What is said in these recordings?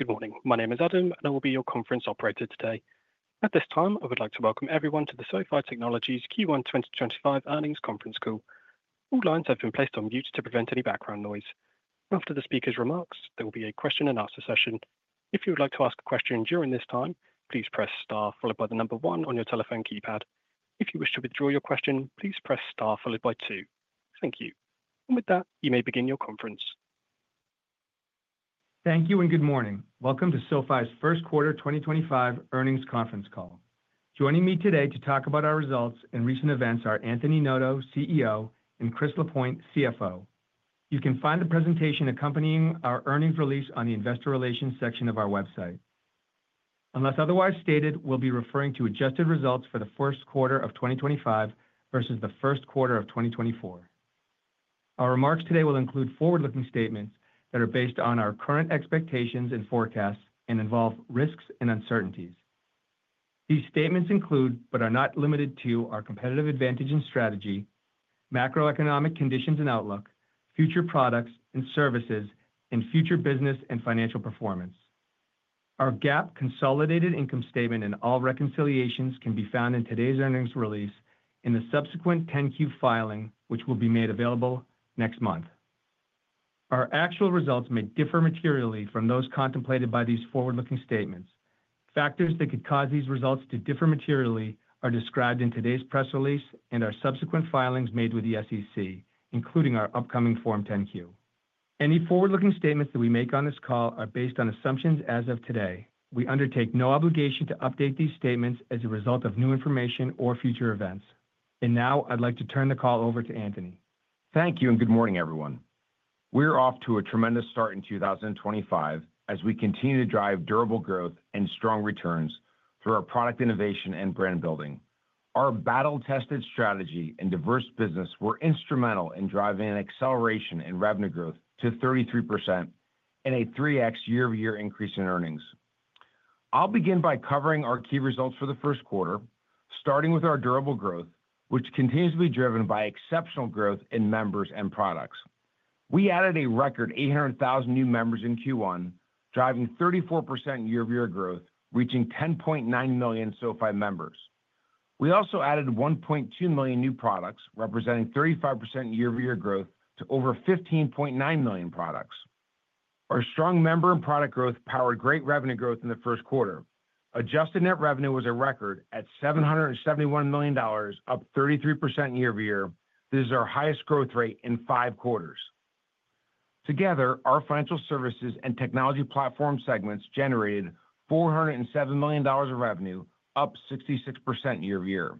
Good morning. My name is Adam, and I will be your conference operator today. At this time, I would like to welcome everyone to the SoFi Technologies Q1 2025 Earnings Conference Call. All lines have been placed on mute to prevent any background noise. After the speakers' remarks, there will be a question-and-answer session. If you would like to ask a question during this time, please press star followed by the number one on your telephone keypad. If you wish to withdraw your question, please press star followed by two. Thank you. With that, you may begin your conference. Thank you and good morning. Welcome to SoFi's First Quarter 2025 Earnings Conference Call. Joining me today to talk about our results and recent events are Anthony Noto, CEO, and Chris Lapointe, CFO. You can find the presentation accompanying our earnings release on the investor relations section of our website. Unless otherwise stated, we'll be referring to adjusted results for the first quarter of 2025 versus the first quarter of 2024. Our remarks today will include forward-looking statements that are based on our current expectations and forecasts and involve risks and uncertainties. These statements include, but are not limited to, our competitive advantage and strategy, macroeconomic conditions and outlook, future products and services, and future business and financial performance. Our GAAP consolidated income statement and all reconciliations can be found in today's earnings release in the subsequent 10-Q filing, which will be made available next month. Our actual results may differ materially from those contemplated by these forward-looking statements. Factors that could cause these results to differ materially are described in today's press release and our subsequent filings made with the SEC, including our upcoming Form 10-Q. Any forward-looking statements that we make on this call are based on assumptions as of today. We undertake no obligation to update these statements as a result of new information or future events. I would like to turn the call over to Anthony. Thank you and good morning, everyone. We're off to a tremendous start in 2025 as we continue to drive durable growth and strong returns through our product innovation and brand building. Our battle-tested strategy and diverse business were instrumental in driving an acceleration in revenue growth to 33% and a 3x year-over-year increase in earnings. I'll begin by covering our key results for the first quarter, starting with our durable growth, which continues to be driven by exceptional growth in members and products. We added a record 800,000 new members in Q1, driving 34% year-over-year growth, reaching 10.9 million SoFi members. We also added 1.2 million new products, representing 35% year-over-year growth to over 15.9 million products. Our strong member and product growth powered great revenue growth in the first quarter. Adjusted net revenue was a record at $771 million, up 33% year-over-year. This is our highest growth rate in five quarters. Together, our financial services and technology platform segments generated $407 million of revenue, up 66% year-over-year.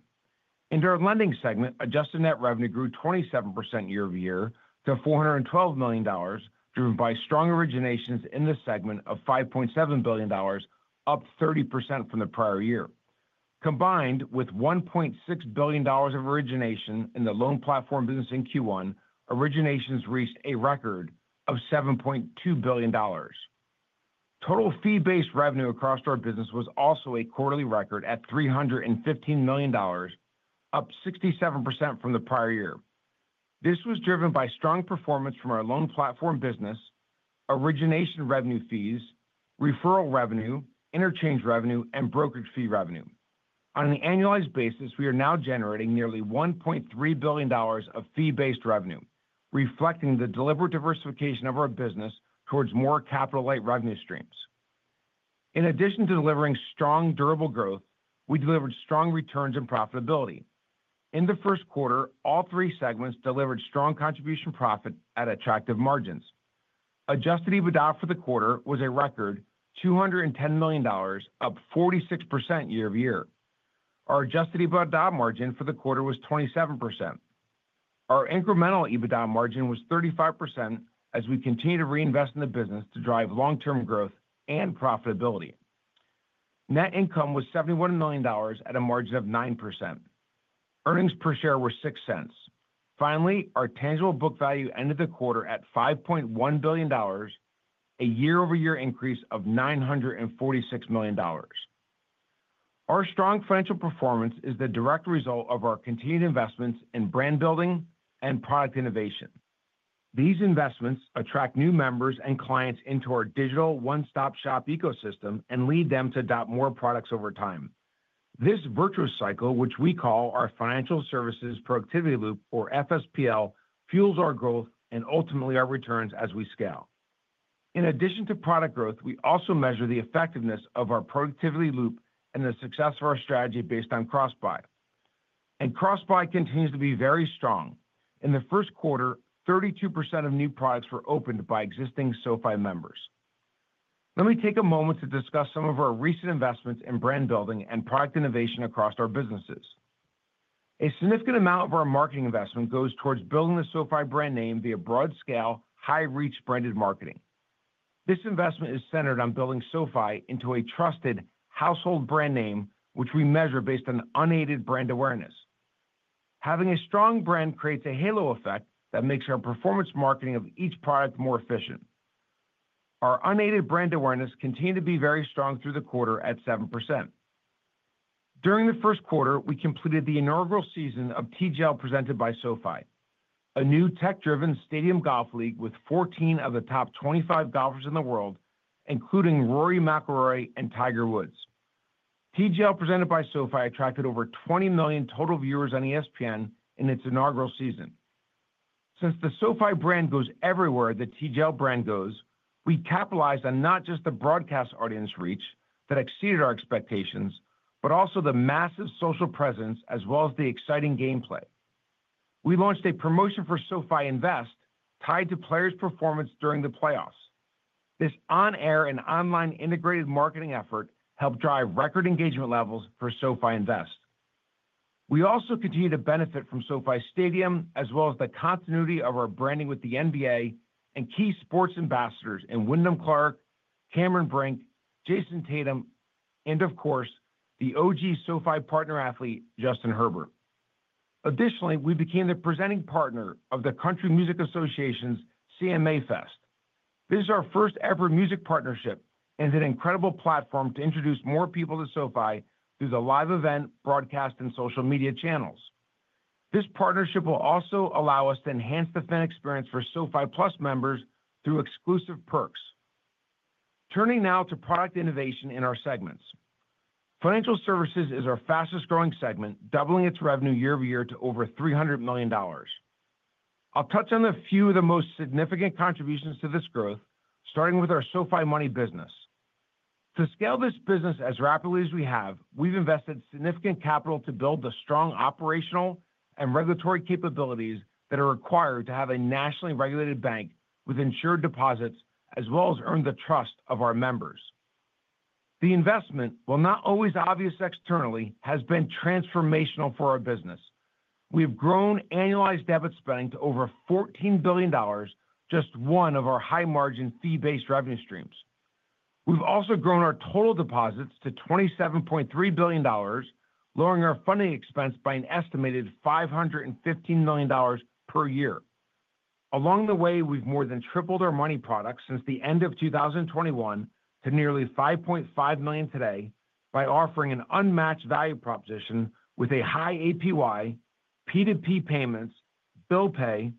In our lending segment, adjusted net revenue grew 27% year-over-year to $412 million, driven by strong originations in the segment of $5.7 billion, up 30% from the prior year. Combined with $1.6 billion of origination in the Loan Platform Business in Q1, originations reached a record of $7.2 billion. Total fee-based revenue across our business was also a quarterly record at $315 million, up 67% from the prior year. This was driven by strong performance from our Loan Platform Business, origination revenue fees, referral revenue, interchange revenue, and brokerage fee revenue. On an annualized basis, we are now generating nearly $1.3 billion of fee-based revenue, reflecting the deliberate diversification of our business towards more capital-light revenue streams. In addition to delivering strong durable growth, we delivered strong returns and profitability. In the first quarter, all three segments delivered strong contribution profit at attractive margins. Adjusted EBITDA for the quarter was a record $210 million, up 46% year-over-year. Our adjusted EBITDA margin for the quarter was 27%. Our incremental EBITDA margin was 35% as we continue to reinvest in the business to drive long-term growth and profitability. Net income was $71 million at a margin of 9%. Earnings per share were $0.06. Finally, our tangible book value ended the quarter at $5.1 billion, a year-over-year increase of $946 million. Our strong financial performance is the direct result of our continued investments in brand building and product innovation. These investments attract new members and clients into our digital one-stop shop ecosystem and lead them to adopt more products over time. This virtuous cycle, which we call our Financial Services Productivity Loop, or FSPL, fuels our growth and ultimately our returns as we scale. In addition to product growth, we also measure the effectiveness of our productivity loop and the success of our strategy based on cross-buy. Cross-buy continues to be very strong. In the first quarter, 32% of new products were opened by existing SoFi members. Let me take a moment to discuss some of our recent investments in brand building and product innovation across our businesses. A significant amount of our marketing investment goes towards building the SoFi brand name via broad-scale, high-reach branded marketing. This investment is centered on building SoFi into a trusted household brand name, which we measure based on unaided brand awareness. Having a strong brand creates a halo effect that makes our performance marketing of each product more efficient. Our unaided brand awareness continued to be very strong through the quarter at 7%. During the first quarter, we completed the inaugural season of TGL presented by SoFi, a new tech-driven stadium golf league with 14 of the top 25 golfers in the world, including Rory McIlroy and Tiger Woods. TGL presented by SoFi attracted over 20 million total viewers on ESPN in its inaugural season. Since the SoFi brand goes everywhere that TGL brand goes, we capitalized on not just the broadcast audience reach that exceeded our expectations, but also the massive social presence as well as the exciting gameplay. We launched a promotion for SoFi Invest tied to players' performance during the playoffs. This on-air and online integrated marketing effort helped drive record engagement levels for SoFi Invest. We also continue to benefit from SoFi Stadium as well as the continuity of our branding with the NBA and key sports ambassadors in Wyndham Clark, Cameron Brink, Jayson Tatum, and of course, the OG SoFi partner athlete Justin Herbert. Additionally, we became the presenting partner of the Country Music Association's CMA Fest. This is our first-ever music partnership and an incredible platform to introduce more people to SoFi through the live event, broadcast, and social media channels. This partnership will also allow us to enhance the fan experience for SoFi Plus members through exclusive perks. Turning now to product innovation in our segments. Financial Services is our fastest-growing segment, doubling its revenue year-over-year to over $300 million. I'll touch on a few of the most significant contributions to this growth, starting with our SoFi Money business. To scale this business as rapidly as we have, we've invested significant capital to build the strong operational and regulatory capabilities that are required to have a nationally regulated bank with insured deposits as well as earn the trust of our members. The investment, while not always obvious externally, has been transformational for our business. We have grown annualized debit spending to over $14 billion, just one of our high-margin fee-based revenue streams. We've also grown our total deposits to $27.3 billion, lowering our funding expense by an estimated $515 million per year. Along the way, we've more than tripled our Money products since the end of 2021 to nearly 5.5 million today by offering an unmatched value proposition with a high APY, P2P payments, Bill Pay,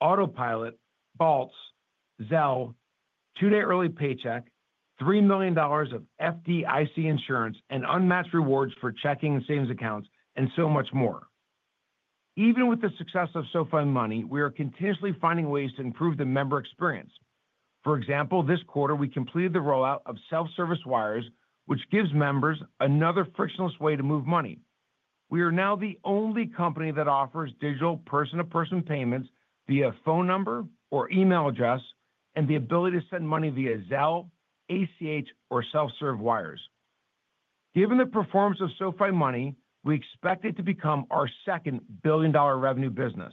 Autopilot, Vaults, Zelle, two-day early paycheck, $3 million of FDIC insurance, and unmatched rewards for checking and savings accounts, and so much more. Even with the success of SoFi Money, we are continuously finding ways to improve the member experience. For example, this quarter, we completed the rollout of self-service wires, which gives members another frictionless way to move money. We are now the only company that offers digital person-to-person payments via phone number or email address and the ability to send money via Zelle, ACH, or self-serve wires. Given the performance of SoFi Money, we expect it to become our second billion-dollar revenue business.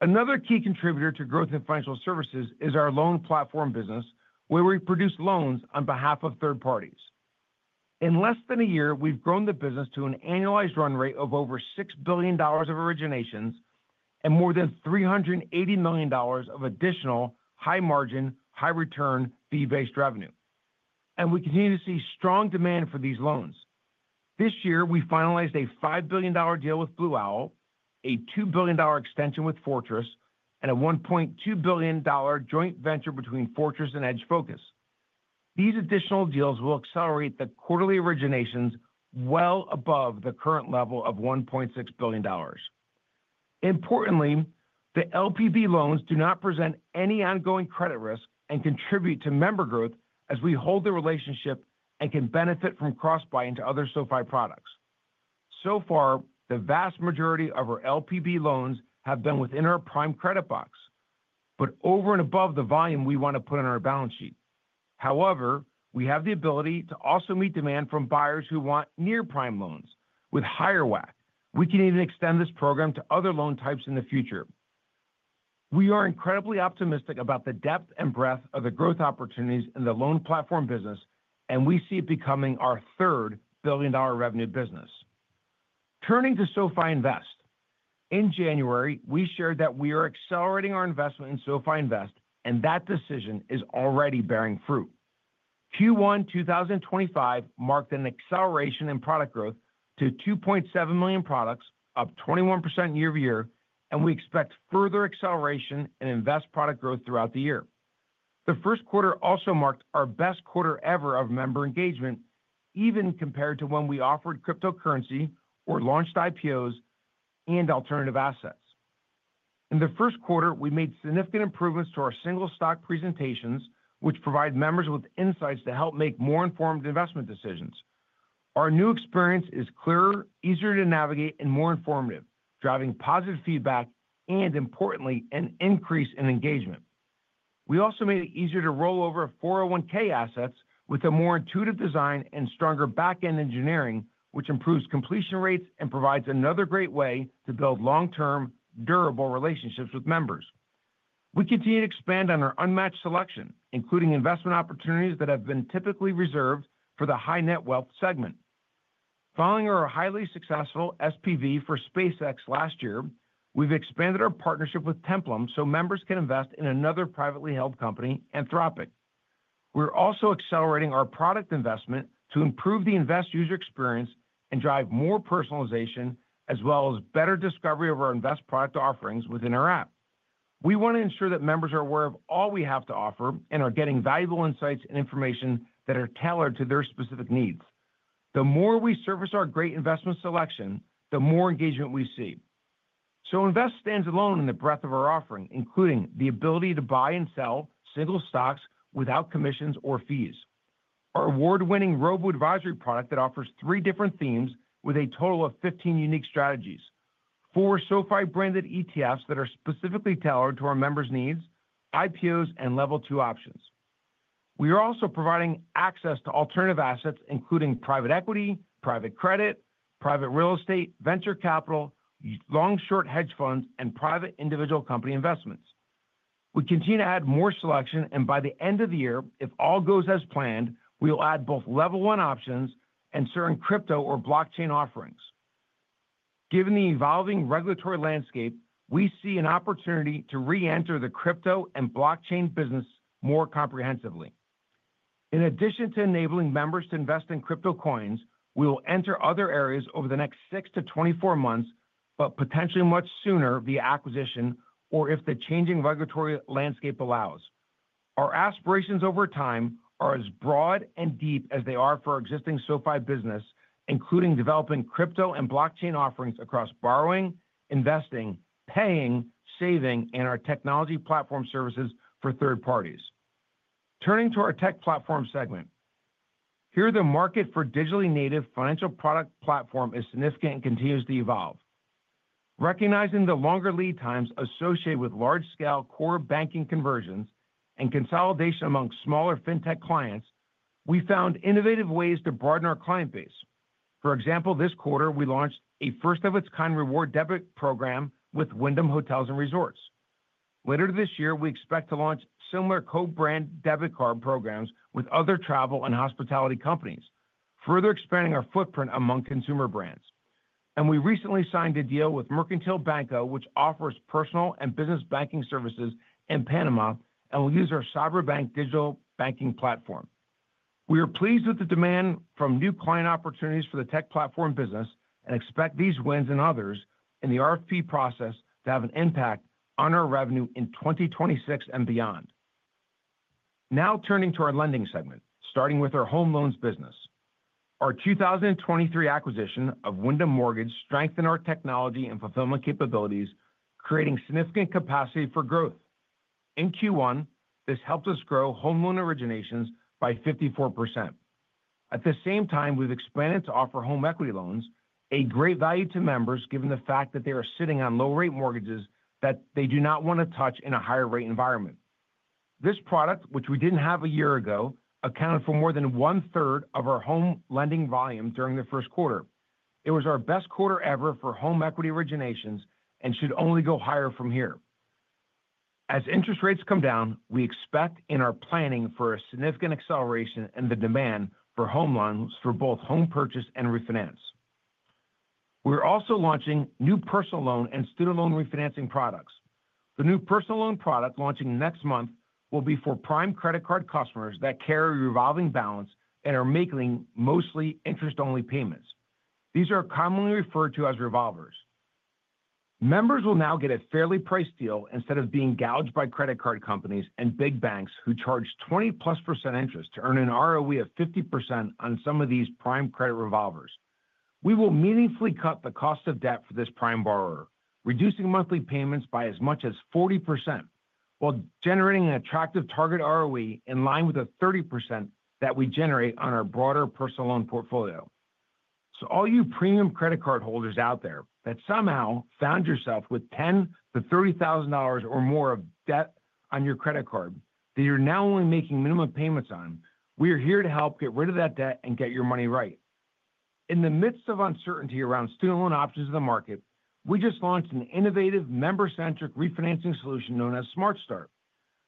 Another key contributor to growth in financial services is our Loan Platform Business, where we produce loans on behalf of third parties. In less than a year, we've grown the business to an annualized run rate of over $6 billion of originations and more than $380 million of additional high-margin, high-return, fee-based revenue. We continue to see strong demand for these loans. This year, we finalized a $5 billion deal with Blue Owl, a $2 billion extension with Fortress, and a $1.2 billion joint venture between Fortress and Edge Focus. These additional deals will accelerate the quarterly originations well above the current level of $1.6 billion. Importantly, the LPB loans do not present any ongoing credit risk and contribute to member growth as we hold the relationship and can benefit from cross-buy into other SoFi products. So far, the vast majority of our LPB loans have been within our prime credit box, but over and above the volume we want to put on our balance sheet. However, we have the ability to also meet demand from buyers who want near-prime loans with higher WAC. We can even extend this program to other loan types in the future. We are incredibly optimistic about the depth and breadth of the growth opportunities in the Loan Platform Business, and we see it becoming our third billion-dollar revenue business. Turning to SoFi Invest. In January, we shared that we are accelerating our investment in SoFi Invest, and that decision is already bearing fruit. Q1 2025 marked an acceleration in product growth to 2.7 million products, up 21% year-over-year, and we expect further acceleration in invest product growth throughout the year. The first quarter also marked our best quarter ever of member engagement, even compared to when we offered cryptocurrency or launched IPOs and alternative assets. In the first quarter, we made significant improvements to our single-stock presentations, which provide members with insights to help make more informed investment decisions. Our new experience is clearer, easier to navigate, and more informative, driving positive feedback and, importantly, an increase in engagement. We also made it easier to roll over 401(k) assets with a more intuitive design and stronger back-end engineering, which improves completion rates and provides another great way to build long-term, durable relationships with members. We continue to expand on our unmatched selection, including investment opportunities that have been typically reserved for the high-net wealth segment. Following our highly successful SPV for SpaceX last year, we've expanded our partnership with Templum so members can invest in another privately held company, Anthropic. We're also accelerating our product investment to improve the invest user experience and drive more personalization as well as better discovery of our invest product offerings within our app. We want to ensure that members are aware of all we have to offer and are getting valuable insights and information that are tailored to their specific needs. The more we surface our great investment selection, the more engagement we see. SoFi Invest stands alone in the breadth of our offering, including the ability to buy and sell single stocks without commissions or fees. Our award-winning robo advisory product that offers three different themes with a total of 15 unique strategies, four SoFi branded ETFs that are specifically tailored to our members' needs, IPOs, and level two options. We are also providing access to alternative assets, including private equity, private credit, private real estate, venture capital, long-short hedge funds, and private individual company investments. We continue to add more selection, and by the end of the year, if all goes as planned, we will add both level one options and certain crypto or blockchain offerings. Given the evolving regulatory landscape, we see an opportunity to re-enter the crypto and blockchain business more comprehensively. In addition to enabling members to invest in crypto coins, we will enter other areas over the next 6 to 24 months, but potentially much sooner via acquisition or if the changing regulatory landscape allows. Our aspirations over time are as broad and deep as they are for our existing SoFi business, including developing crypto and blockchain offerings across borrowing, investing, paying, saving, and our technology platform services for third parties. Turning to our Tech Platform segment. Here, the market for digitally native financial product platform is significant and continues to evolve. Recognizing the longer lead times associated with large-scale core banking conversions and consolidation among smaller fintech clients, we found innovative ways to broaden our client base. For example, this quarter, we launched a first-of-its-kind reward debit program with Wyndham Hotels & Resorts. Later this year, we expect to launch similar co-brand debit card programs with other travel and hospitality companies, further expanding our footprint among consumer brands. We recently signed a deal with Mercantil Banco, which offers personal and business banking services in Panama, and will use our Cyberbank Digital banking platform. We are pleased with the demand from new client opportunities for the Tech Platform business and expect these wins and others in the RFP process to have an impact on our revenue in 2026 and beyond. Now turning to our lending segment, starting with our home loans business. Our 2023 acquisition of Wyndham Mortgage strengthened our technology and fulfillment capabilities, creating significant capacity for growth. In Q1, this helped us grow home loan originations by 54%. At the same time, we've expanded to offer home equity loans, a great value to members given the fact that they are sitting on low-rate mortgages that they do not want to touch in a higher-rate environment. This product, which we didn't have a year ago, accounted for more than one-third of our home lending volume during the first quarter. It was our best quarter ever for home equity originations and should only go higher from here. As interest rates come down, we expect in our planning for a significant acceleration in the demand for home loans for both home purchase and refinance. We're also launching new personal loan and student loan refinancing products. The new personal loan product launching next month will be for prime Credit Card customers that carry revolving balance and are making mostly interest-only payments. These are commonly referred to as revolvers. Members will now get a fairly priced deal instead of being gouged by Credit Card companies and big banks who charge 20%+ interest to earn an ROE of 50% on some of these prime credit revolvers. We will meaningfully cut the cost of debt for this prime borrower, reducing monthly payments by as much as 40% while generating an attractive target ROE in line with the 30% that we generate on our broader personal loan portfolio. All you premium Credit Card holders out there that somehow found yourself with $10,000-$30,000 or more of debt on your Credit Card that you're now only making minimum payments on, we are here to help you get rid of that debt and get your money right. In the midst of uncertainty around student loan options in the market, we just launched an innovative member-centric refinancing solution known as SmartStart.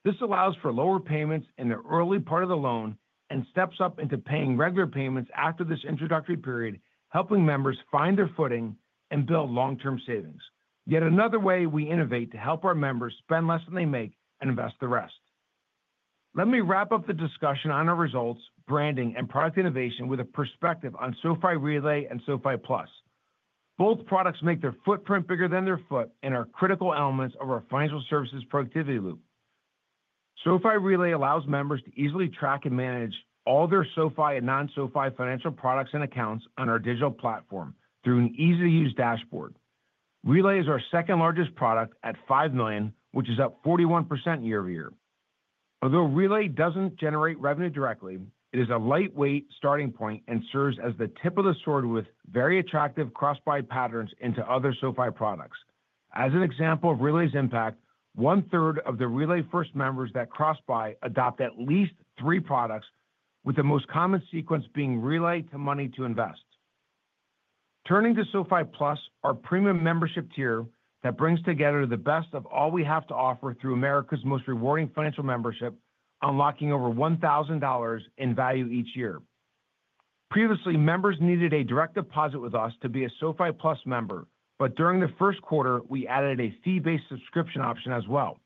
This allows for lower payments in the early part of the loan and steps up into paying regular payments after this introductory period, helping members find their footing and build long-term savings. Yet another way we innovate to help our members spend less than they make and invest the rest. Let me wrap up the discussion on our results, branding, and product innovation with a perspective on SoFi Relay and SoFi Plus. Both products make their footprint bigger than their foot and are critical elements of our Financial Services Productivity Loop. SoFi Relay allows members to easily track and manage all their SoFi and non-SoFi financial products and accounts on our digital platform through an easy-to-use dashboard. Relay is our second-largest product at $5 million, which is up 41% year-over-year. Although Relay doesn't generate revenue directly, it is a lightweight starting point and serves as the tip of the sword with very attractive cross-buy patterns into other SoFi products. As an example of Relay's impact, one-third of the Relay first members that cross-buy adopt at least three products, with the most common sequence being Relay to Money to Invest. Turning to SoFi Plus, our premium membership tier that brings together the best of all we have to offer through America's most rewarding financial membership, unlocking over $1,000 in value each year. Previously, members needed a direct deposit with us to be a SoFi Plus member, but during the first quarter, we added a fee-based subscription option as well.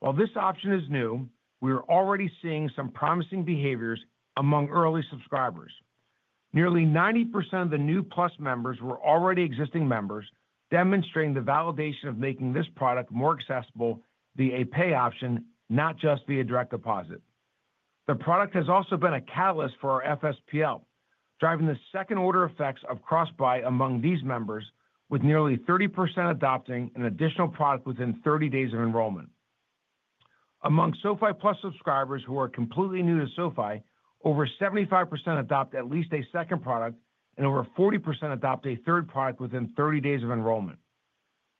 While this option is new, we are already seeing some promising behaviors among early subscribers. Nearly 90% of the new Plus members were already existing members, demonstrating the validation of making this product more accessible via a pay option, not just via direct deposit. The product has also been a catalyst for our FSPL, driving the second-order effects of cross-buy among these members, with nearly 30% adopting an additional product within 30 days of enrollment. Among SoFi Plus subscribers who are completely new to SoFi, over 75% adopt at least a second product, and over 40% adopt a third product within 30 days of enrollment.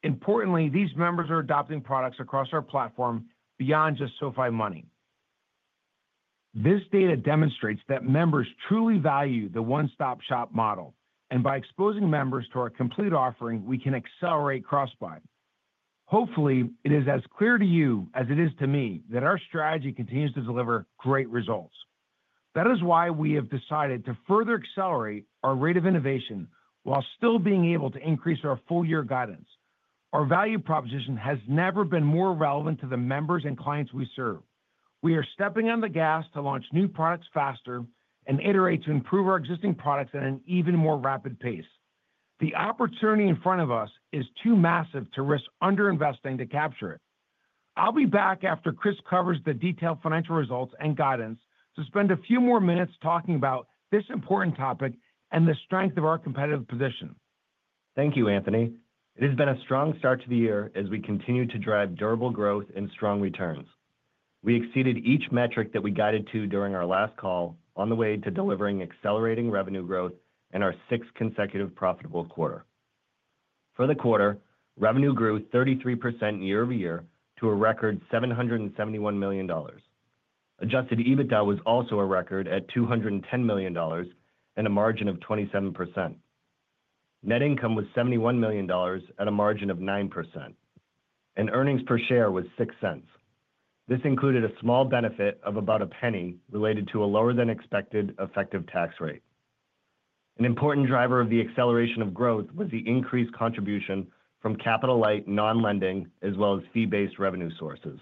Importantly, these members are adopting products across our platform beyond just SoFi Money. This data demonstrates that members truly value the one-stop shop model, and by exposing members to our complete offering, we can accelerate cross-buy. Hopefully, it is as clear to you as it is to me that our strategy continues to deliver great results. That is why we have decided to further accelerate our rate of innovation while still being able to increase our full-year guidance. Our value proposition has never been more relevant to the members and clients we serve. We are stepping on the gas to launch new products faster and iterate to improve our existing products at an even more rapid pace. The opportunity in front of us is too massive to risk underinvesting to capture it. I'll be back after Chris covers the detailed financial results and guidance to spend a few more minutes talking about this important topic and the strength of our competitive position. Thank you, Anthony. It has been a strong start to the year as we continue to drive durable growth and strong returns. We exceeded each metric that we guided to during our last call on the way to delivering accelerating revenue growth in our sixth consecutive profitable quarter. For the quarter, revenue grew 33% year-over-year to a record $771 million. Adjusted EBITDA was also a record at $210 million and a margin of 27%. Net income was $71 million at a margin of 9%, and earnings per share was $0.06. This included a small benefit of about $0.01 related to a lower-than-expected effective tax rate. An important driver of the acceleration of growth was the increased contribution from capital-light non-lending as well as fee-based revenue sources.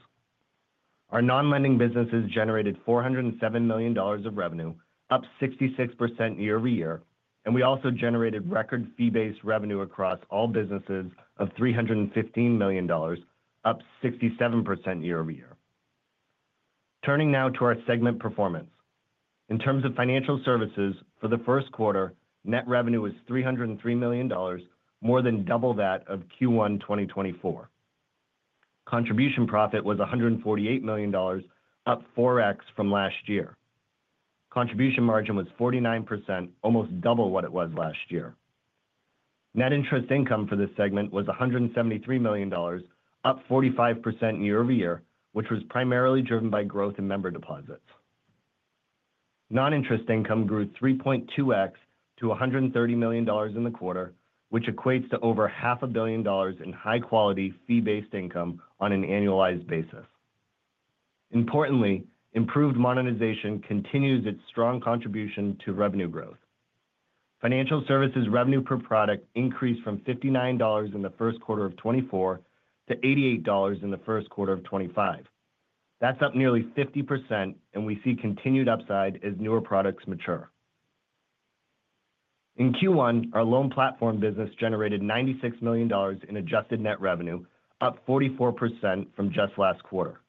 Our non-lending businesses generated $407 million of revenue, up 66% year-over-year, and we also generated record fee-based revenue across all businesses of $315 million, up 67% year-over-year. Turning now to our segment performance. In terms of financial services, for the first quarter, net revenue was $303 million, more than double that of Q1 2024. Contribution profit was $148 million, up 4x from last year. Contribution margin was 49%, almost double what it was last year. Net interest income for this segment was $173 million, up 45% year-over-year, which was primarily driven by growth in member deposits. Non-interest income grew 3.2x to $130 million in the quarter, which equates to over $500,000,000 in high-quality fee-based income on an annualized basis. Importantly, improved monetization continues its strong contribution to revenue growth. Financial services revenue per product increased from $59 in the first quarter of 2024 to $88 in the first quarter of 2025. That's up nearly 50%, and we see continued upside as newer products mature. In Q1, our Loan Platform Business generated $96 million in adjusted net revenue, up 44% from just last quarter.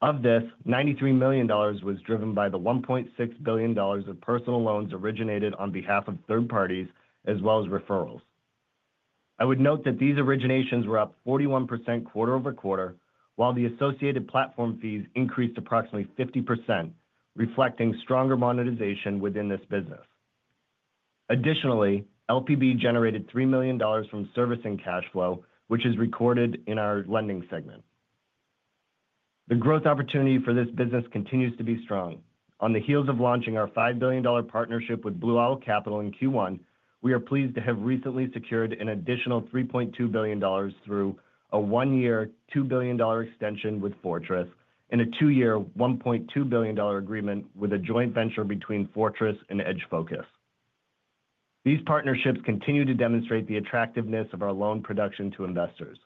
Of this, $93 million was driven by the $1.6 billion of personal loans originated on behalf of third parties as well as referrals. I would note that these originations were up 41% quarter-over-quarter, while the associated platform fees increased approximately 50%, reflecting stronger monetization within this business. Additionally, LPB generated $3 million from servicing cash flow, which is recorded in our lending segment. The growth opportunity for this business continues to be strong. On the heels of launching our $5 billion partnership with Blue Owl Capital in Q1, we are pleased to have recently secured an additional $3.2 billion through a one-year $2 billion extension with Fortress and a two-year $1.2 billion agreement with a joint venture between Fortress and Edge Focus. These partnerships continue to demonstrate the attractiveness of our loan production to investors.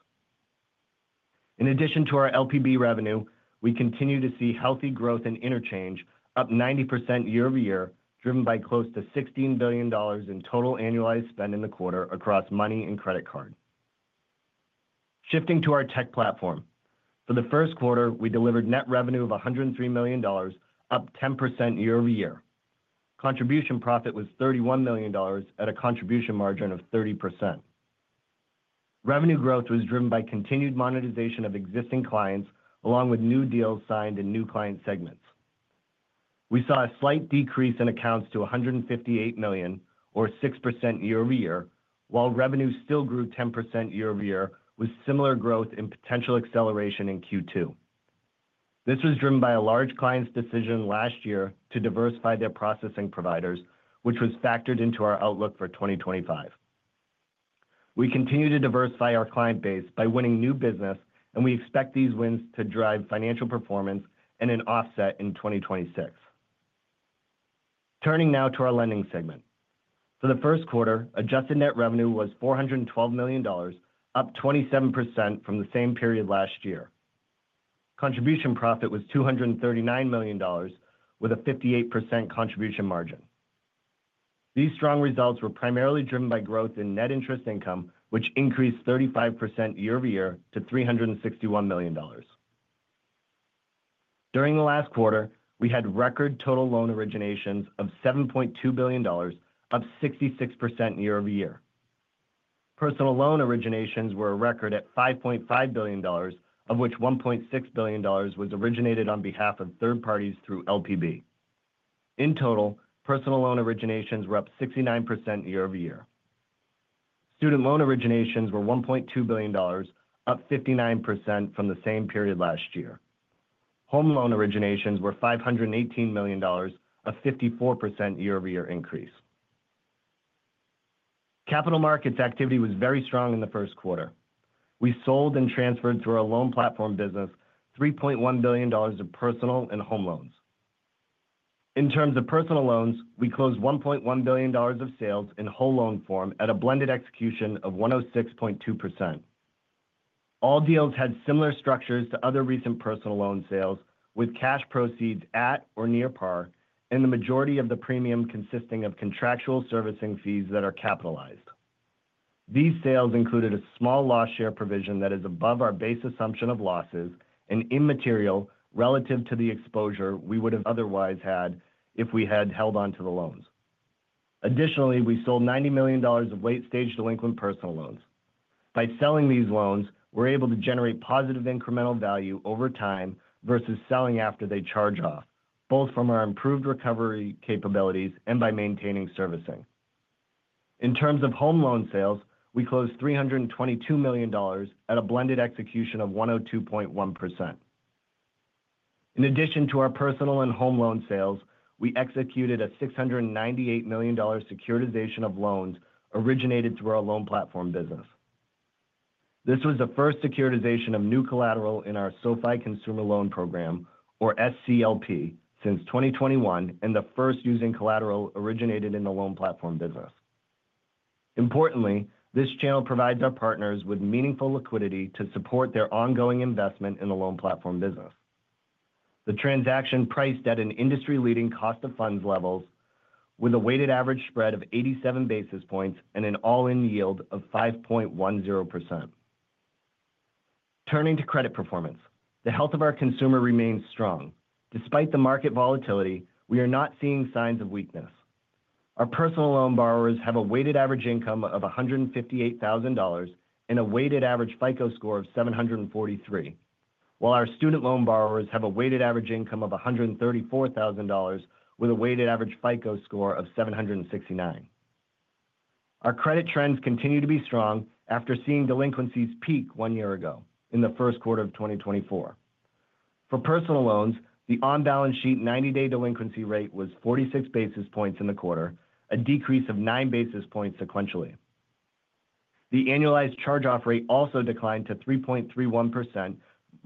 In addition to our LPB revenue, we continue to see healthy growth in Interchange, up 90% year-over-year, driven by close to $16 billion in total annualized spend in the quarter across Money and Credit Card. Shifting to our Tech Platform. For the first quarter, we delivered net revenue of $103 million, up 10% year-over-year. Contribution profit was $31 million at a contribution margin of 30%. Revenue growth was driven by continued monetization of existing clients, along with new deals signed in new client segments. We saw a slight decrease in accounts to $158 million, or 6% year-over-year, while revenue still grew 10% year-over-year with similar growth and potential acceleration in Q2. This was driven by a large client's decision last year to diversify their processing providers, which was factored into our outlook for 2025. We continue to diversify our client base by winning new business, and we expect these wins to drive financial performance and an offset in 2026. Turning now to our Lending segment. For the first quarter, adjusted net revenue was $412 million, up 27% from the same period last year. Contribution profit was $239 million, with a 58% contribution margin. These strong results were primarily driven by growth in net interest income, which increased 35% year-over-year to $361 million. During the last quarter, we had record total loan originations of $7.2 billion, up 66% year-over-year. Personal loan originations were a record at $5.5 billion, of which $1.6 billion was originated on behalf of third parties through LPB. In total, personal loan originations were up 69% year-over-year. Student loan originations were $1.2 billion, up 59% from the same period last year. Home loan originations were $518 million, a 54% year-over-year increase. Capital markets activity was very strong in the first quarter. We sold and transferred through our Loan Platform Business $3.1 billion of personal and home loans. In terms of personal loans, we closed $1.1 billion of sales in whole loan form at a blended execution of 106.2%. All deals had similar structures to other recent personal loan sales, with cash proceeds at or near par, and the majority of the premium consisting of contractual servicing fees that are capitalized. These sales included a small loss share provision that is above our base assumption of losses and immaterial relative to the exposure we would have otherwise had if we had held onto the loans. Additionally, we sold $90 million of late-stage delinquent personal loans. By selling these loans, we're able to generate positive incremental value over time versus selling after they charge off, both from our improved recovery capabilities and by maintaining servicing. In terms of home loan sales, we closed $322 million at a blended execution of 102.1%. In addition to our personal and home loan sales, we executed a $698 million securitization of loans originated through our Loan Platform Business. This was the first securitization of new collateral in our SoFi Consumer Loan Program, or SCLP, since 2021, and the first using collateral originated in the Loan Platform Business. Importantly, this channel provides our partners with meaningful liquidity to support their ongoing investment in the Loan Platform Business. The transaction priced at an industry-leading cost of funds levels, with a weighted average spread of 87 basis points and an all-in yield of 5.10%. Turning to Credit Performance, the health of our consumer remains strong. Despite the market volatility, we are not seeing signs of weakness. Our personal loan borrowers have a weighted average income of $158,000 and a weighted average FICO score of 743, while our student loan borrowers have a weighted average income of $134,000 with a weighted average FICO score of 769. Our credit trends continue to be strong after seeing delinquencies peak one year ago in the first quarter of 2024. For personal loans, the on-balance sheet 90-day delinquency rate was 46 basis points in the quarter, a decrease of 9 basis points sequentially. The annualized charge-off rate also declined to 3.31%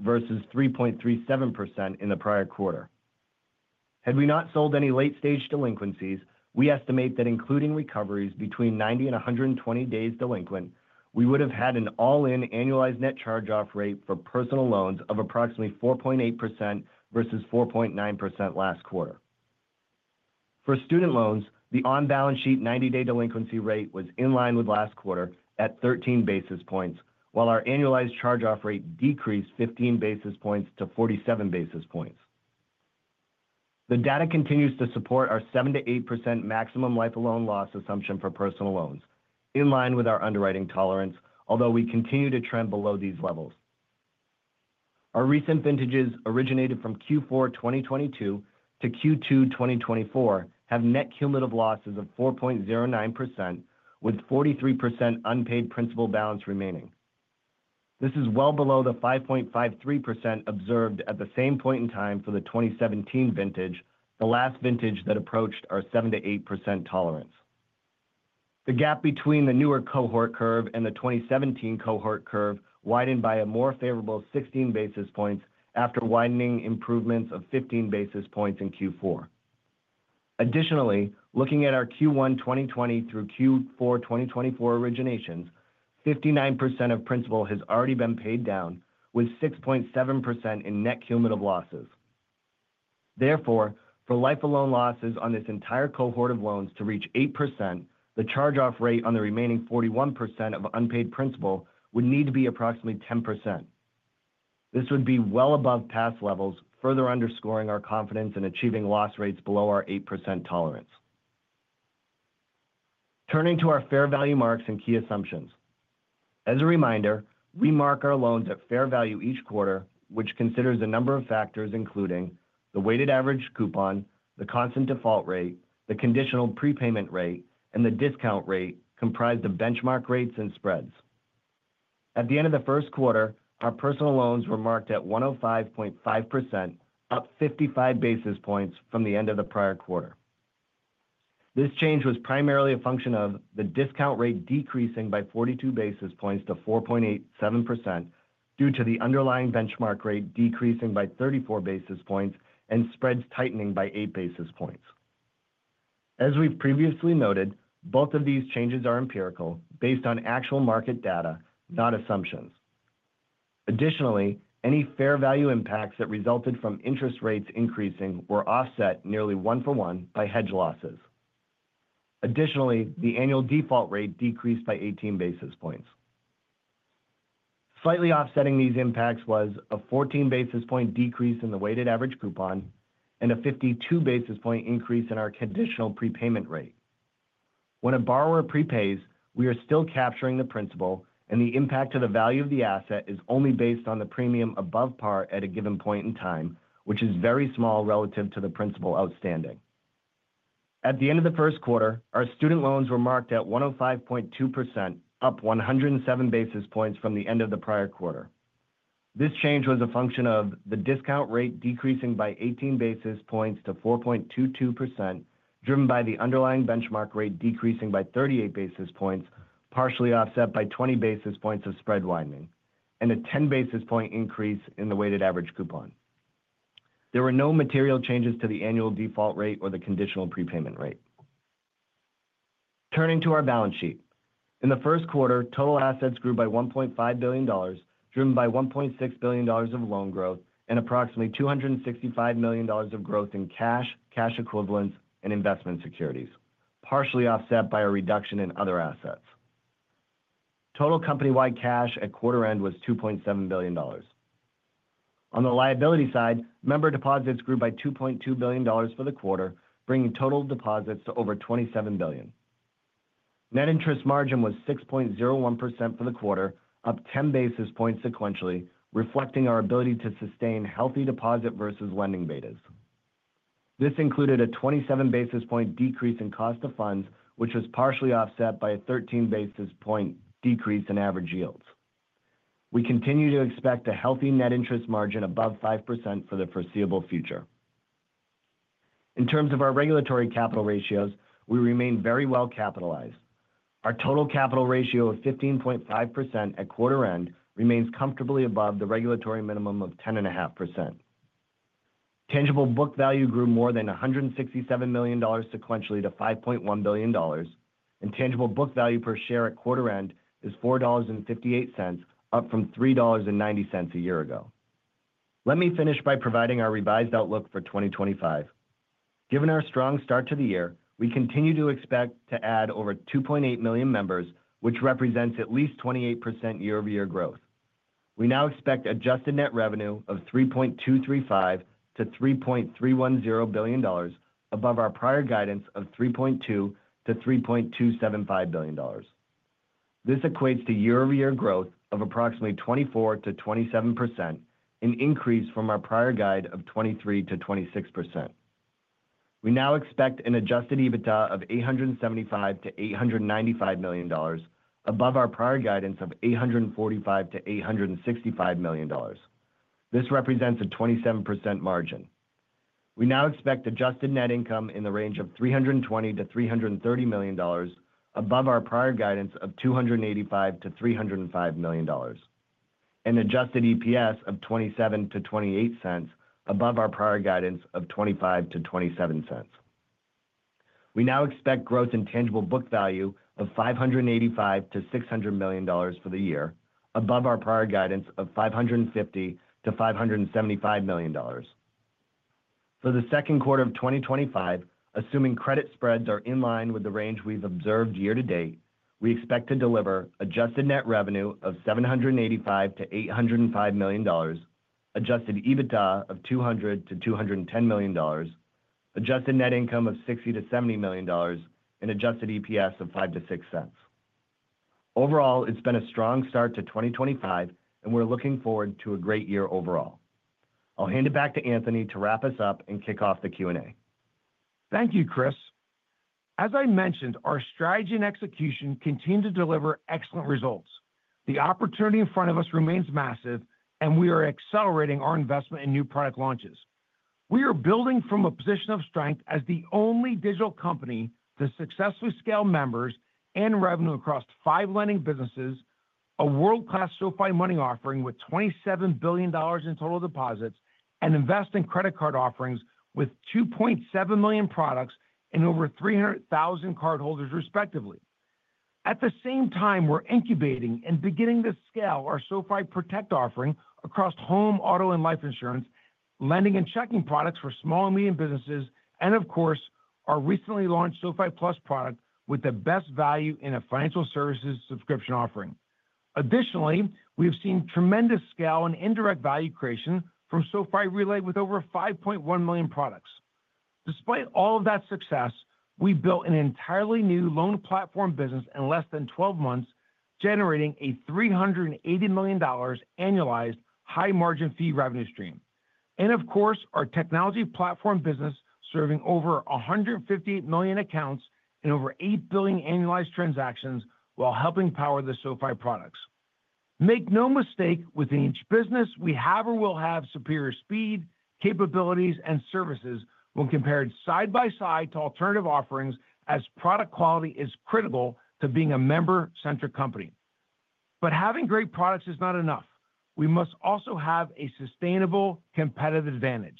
versus 3.37% in the prior quarter. Had we not sold any late-stage delinquencies, we estimate that including recoveries between 90 and 120 days delinquent, we would have had an all-in annualized net charge-off rate for personal loans of approximately 4.8% versus 4.9% last quarter. For student loans, the on-balance sheet 90-day delinquency rate was in line with last quarter at 13 basis points, while our annualized charge-off rate decreased 15 basis points to 47 basis points. The data continues to support our 7-8% maximum life of loan loss assumption for personal loans, in line with our underwriting tolerance, although we continue to trend below these levels. Our recent vintages originated from Q4 2022 to Q2 2024 have net cumulative losses of 4.09%, with 43% unpaid principal balance remaining. This is well below the 5.53% observed at the same point in time for the 2017 vintage, the last vintage that approached our 7-8% tolerance. The gap between the newer cohort curve and the 2017 cohort curve widened by a more favorable 16 basis points after widening improvements of 15 basis points in Q4. Additionally, looking at our Q1 2020 through Q4 2024 originations, 59% of principal has already been paid down, with 6.7% in net cumulative losses. Therefore, for life-of-loan losses on this entire cohort of loans to reach 8%, the charge-off rate on the remaining 41% of unpaid principal would need to be approximately 10%. This would be well above past levels, further underscoring our confidence in achieving loss rates below our 8% tolerance. Turning to our fair value marks and key assumptions. As a reminder, we mark our loans at fair value each quarter, which considers a number of factors, including the weighted average coupon, the constant default rate, the conditional prepayment rate, and the discount rate, comprised of benchmark rates and spreads. At the end of the first quarter, our personal loans were marked at 105.5%, up 55 basis points from the end of the prior quarter. This change was primarily a function of the discount rate decreasing by 42 basis points to 4.87% due to the underlying benchmark rate decreasing by 34 basis points and spreads tightening by 8 basis points. As we've previously noted, both of these changes are empirical, based on actual market data, not assumptions. Additionally, any fair value impacts that resulted from interest rates increasing were offset nearly one-for-one by hedge losses. Additionally, the annual default rate decreased by 18 basis points. Slightly offsetting these impacts was a 14 basis point decrease in the weighted average coupon and a 52 basis point increase in our conditional prepayment rate. When a borrower prepays, we are still capturing the principal, and the impact of the value of the asset is only based on the premium above par at a given point in time, which is very small relative to the principal outstanding. At the end of the first quarter, our student loans were marked at 105.2%, up 107 basis points from the end of the prior quarter. This change was a function of the discount rate decreasing by 18 basis points to 4.22%, driven by the underlying benchmark rate decreasing by 38 basis points, partially offset by 20 basis points of spread widening, and a 10 basis point increase in the weighted average coupon. There were no material changes to the annual default rate or the conditional prepayment rate. Turning to our balance sheet. In the first quarter, total assets grew by $1.5 billion, driven by $1.6 billion of loan growth and approximately $265 million of growth in cash, cash equivalents, and investment securities, partially offset by a reduction in other assets. Total company-wide cash at quarter-end was $2.7 billion. On the liability side, member deposits grew by $2.2 billion for the quarter, bringing total deposits to over $27 billion. Net interest margin was 6.01% for the quarter, up 10 basis points sequentially, reflecting our ability to sustain healthy deposit versus lending betas. This included a 27 basis point decrease in cost of funds, which was partially offset by a 13 basis point decrease in average yields. We continue to expect a healthy net interest margin above 5% for the foreseeable future. In terms of our regulatory capital ratios, we remain very well capitalized. Our total capital ratio of 15.5% at quarter-end remains comfortably above the regulatory minimum of 10.5%. Tangible book value grew more than $167 million sequentially to $5.1 billion, and tangible book value per share at quarter-end is $4.58, up from $3.90 a year ago. Let me finish by providing our revised outlook for 2025. Given our strong start to the year, we continue to expect to add over 2.8 million members, which represents at least 28% year-over-year growth. We now expect adjusted net revenue of $3.235 billion-$3.310 billion, above our prior guidance of $3.2 billion-$3.275 billion. This equates to year-over-year growth of approximately 24%-27%, an increase from our prior guide of 23%-26%. We now expect an adjusted EBITDA of $875 million-$895 million, above our prior guidance of $845 million-$865 million. This represents a 27% margin. We now expect adjusted net income in the range of $320 million-$330 million, above our prior guidance of $285 million-$305 million, and adjusted EPS of $0.27-$0.28, above our prior guidance of $0.25-$0.27. We now expect growth in tangible book value of $585 million-$600 million for the year, above our prior guidance of $550 million-$575 million. For the second quarter of 2025, assuming credit spreads are in line with the range we've observed year to date, we expect to deliver adjusted net revenue of $785 million-$805 million, adjusted EBITDA of $200 million-$210 million, adjusted net income of $60 million-$70 million, and adjusted EPS of $0.05-$0.06. Overall, it's been a strong start to 2025, and we're looking forward to a great year overall. I'll hand it back to Anthony to wrap us up and kick off the Q&A. Thank you, Chris. As I mentioned, our strategy and execution continue to deliver excellent results. The opportunity in front of us remains massive, and we are accelerating our investment in new product launches. We are building from a position of strength as the only digital company to successfully scale members and revenue across five lending businesses, a world-class SoFi Money offering with $27 billion in total deposits, and Invest and Credit Card offerings with 2.7 million products and over 300,000 cardholders, respectively. At the same time, we're incubating and beginning to scale our SoFi Protect offering across home, auto, and life insurance, lending and checking products for small and medium businesses, and, of course, our recently launched SoFi Plus product with the best value in a financial services subscription offering. Additionally, we have seen tremendous scale and indirect value creation from SoFi Relay with over 5.1 million products. Despite all of that success, we built an entirely new Loan Platform Business in less than 12 months, generating a $380 million annualized high-margin fee revenue stream. Of course, our technology platform business is serving over 158 million accounts and over 8 billion annualized transactions while helping power the SoFi products. Make no mistake, within each business, we have or will have superior speed, capabilities, and services when compared side by side to alternative offerings, as product quality is critical to being a member-centric company. Having great products is not enough. We must also have a sustainable competitive advantage.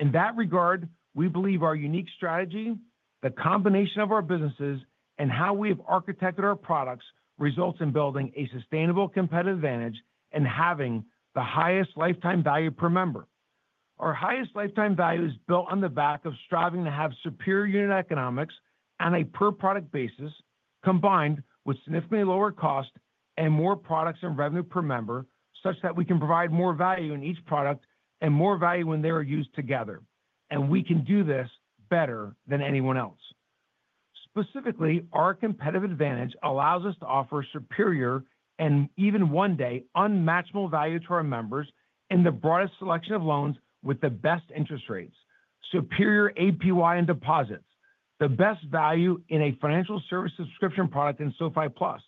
In that regard, we believe our unique strategy, the combination of our businesses, and how we have architected our products results in building a sustainable competitive advantage and having the highest lifetime value per member. Our highest lifetime value is built on the back of striving to have superior unit economics on a per-product basis, combined with significantly lower cost and more products and revenue per member, such that we can provide more value in each product and more value when they are used together. We can do this better than anyone else. Specifically, our competitive advantage allows us to offer superior and, even one day, unmatchable value to our members in the broadest selection of loans with the best interest rates, superior APY in deposits, the best value in a financial service subscription product in SoFi Plus,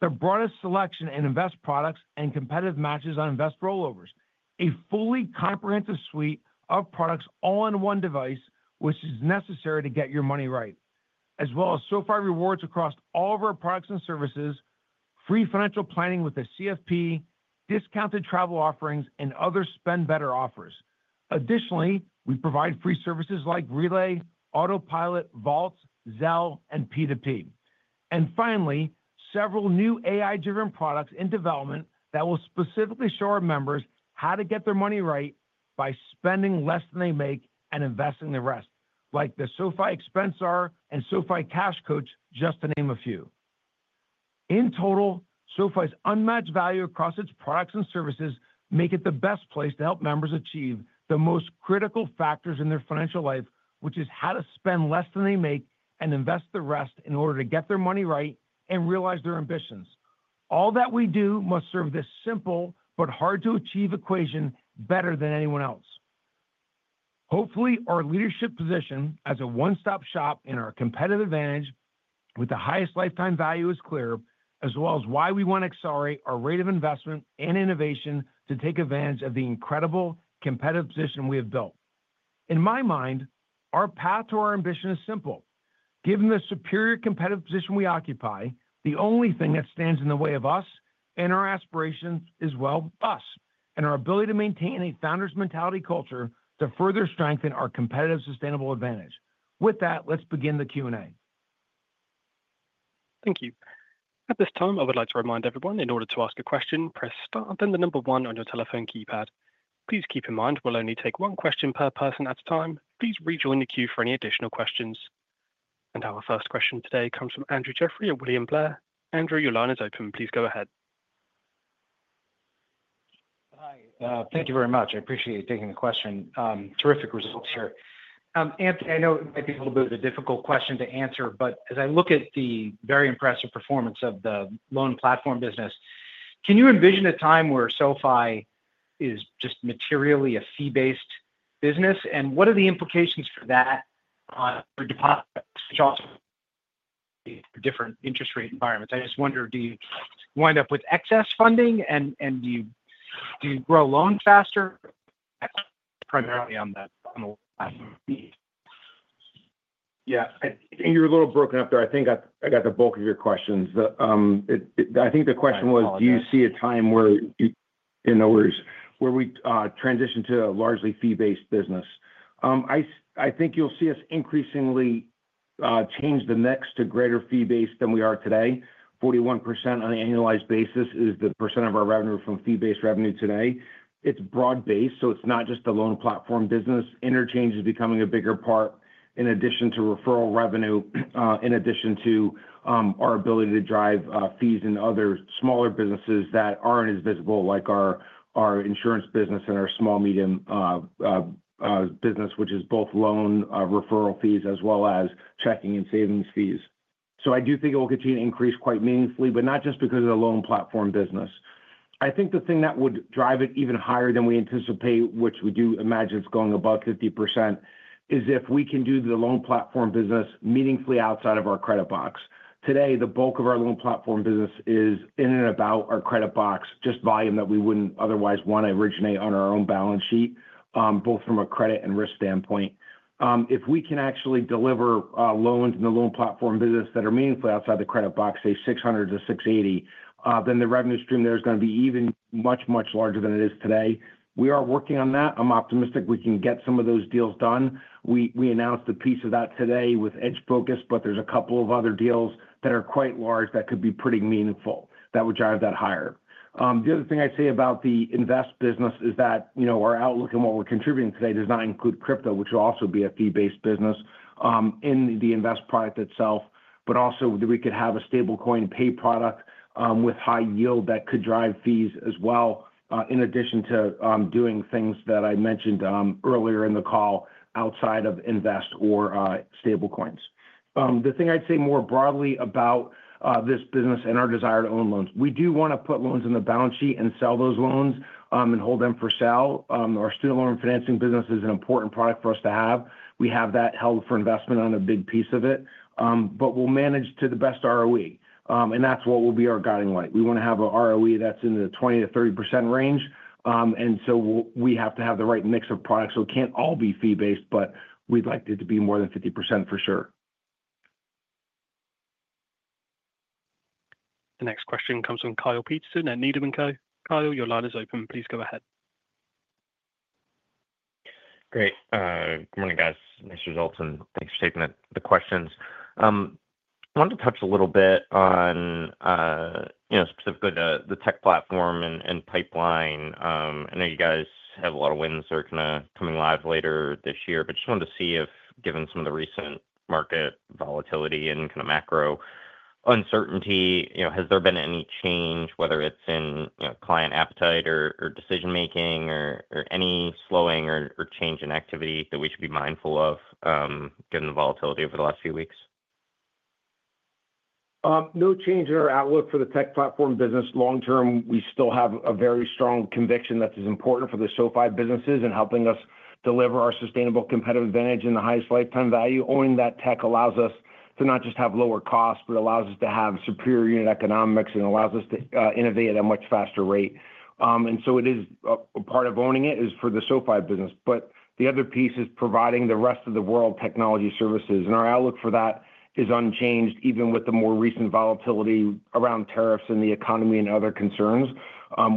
the broadest selection in Invest products and competitive matches on Invest rollovers, a fully comprehensive suite of products all in one device, which is necessary to get your money right, as well as SoFi rewards across all of our products and services, free financial planning with a CFP, discounted travel offerings, and other spend better offers. Additionally, we provide free services like Relay, Autopilot, Vaults, Zelle, and P2P. Finally, several new AI-driven products in development will specifically show our members how to get their money right by spending less than they make and investing the rest, like the SoFi Expenser and SoFi Cash Coach, just to name a few. In total, SoFi's unmatched value across its products and services makes it the best place to help members achieve the most critical factors in their financial life, which is how to spend less than they make and invest the rest in order to get their money right and realize their ambitions. All that we do must serve this simple but hard-to-achieve equation better than anyone else. Hopefully, our leadership position as a one-stop shop and our competitive advantage with the highest lifetime value is clear, as well as why we want to accelerate our rate of investment and innovation to take advantage of the incredible competitive position we have built. In my mind, our path to our ambition is simple. Given the superior competitive position we occupy, the only thing that stands in the way of us and our aspirations is, well, us and our ability to maintain a founder's mentality culture to further strengthen our competitive sustainable advantage. With that, let's begin the Q&A. Thank you. At this time, I would like to remind everyone, in order to ask a question, press star and then the number one on your telephone keypad. Please keep in mind, we'll only take one question per person at a time. Please rejoin the queue for any additional questions. Our first question today comes from Andrew Jeffrey at William Blair. Andrew, your line is open. Please go ahead. Hi. Thank you very much. I appreciate you taking the question. Terrific results here. Anthony, I know it might be a little bit of a difficult question to answer, but as I look at the very impressive performance of the Loan Platform Business, can you envision a time where SoFi is just materially a fee-based business? What are the implications for that for deposits and also different interest rate environments? I just wonder, do you wind up with excess funding and do you grow loans faster? Primarily on the platform fee. Yeah. You were a little broken up there. I think I got the bulk of your questions. I think the question was, do you see a time where we transition to a largely fee-based business? I think you'll see us increasingly change the mix to greater fee-based than we are today. 41% on an annualized basis is the percent of our revenue from fee-based revenue today. It's broad-based, so it's not just the Loan Platform Business. Interchange is becoming a bigger part in addition to referral revenue, in addition to our ability to drive fees in other smaller businesses that aren't as visible, like our insurance business and our small-medium business, which is both loan referral fees as well as checking and savings fees. I do think it will continue to increase quite meaningfully, but not just because of the Loan Platform Business. I think the thing that would drive it even higher than we anticipate, which we do imagine it's going above 50%, is if we can do the Loan Platform Business meaningfully outside of our credit box. Today, the bulk of our Loan Platform Business is in and about our credit box, just volume that we wouldn't otherwise want to originate on our own balance sheet, both from a credit and risk standpoint. If we can actually deliver loans in the Loan Platform Business that are meaningfully outside the credit box, say 600-680, then the revenue stream there is going to be even much, much larger than it is today. We are working on that. I'm optimistic we can get some of those deals done. We announced a piece of that today with Edge Focus, but there's a couple of other deals that are quite large that could be pretty meaningful that would drive that higher. The other thing I'd say about the Invest business is that our outlook and what we're contributing today does not include crypto, which will also be a fee-based business in the Invest product itself, but also that we could have a Stablecoin Pay product with high yield that could drive fees as well, in addition to doing things that I mentioned earlier in the call outside of Invest or Stablecoins. The thing I'd say more broadly about this business and our desire to own loans, we do want to put loans in the balance sheet and sell those loans and hold them for sale. Our Student Loan Financing business is an important product for us to have. We have that held for investment on a big piece of it, but we'll manage to the best ROE, and that's what will be our guiding light. We want to have an ROE that's in the 20%-30% range, and we have to have the right mix of products. It can't all be fee-based, but we'd like it to be more than 50% for sure. The next question comes from Kyle Peterson at Needham & Co. Kyle, your line is open. Please go ahead. Great. Good morning, guys. Nice results, and thanks for taking the questions. I wanted to touch a little bit on specifically the Tech Platform and pipeline. I know you guys have a lot of wins that are kind of coming live later this year, but just wanted to see if, given some of the recent market volatility and kind of macro uncertainty, has there been any change, whether it's in client appetite or decision-making or any slowing or change in activity that we should be mindful of given the volatility over the last few weeks? No change in our outlook for the Tech Platform business. Long term, we still have a very strong conviction that this is important for the SoFi businesses in helping us deliver our sustainable competitive advantage and the highest lifetime value. Owning that tech allows us to not just have lower costs, but it allows us to have superior unit economics and allows us to innovate at a much faster rate. It is a part of owning it for the SoFi business. The other piece is providing the rest of the world technology services. Our outlook for that is unchanged, even with the more recent volatility around tariffs and the economy and other concerns.